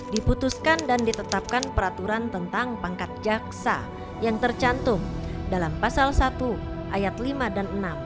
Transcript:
diputuskan dan ditetapkan peraturan tentang pangkat jaksa yang tercantum dalam pasal satu ayat lima dan enam